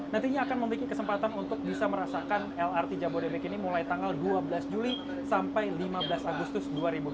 nantinya akan memiliki kesempatan untuk bisa merasakan lrt jabodebek ini mulai tanggal dua belas juli sampai lima belas agustus dua ribu dua puluh